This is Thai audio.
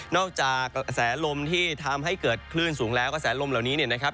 อกจากกระแสลมที่ทำให้เกิดคลื่นสูงแล้วกระแสลมเหล่านี้เนี่ยนะครับ